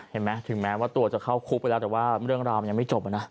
เห็นไหมถึงแม้ว่าตัวจะเข้าคุกไปแล้วแต่ว่าเรื่องราวมันยังไม่จบนะ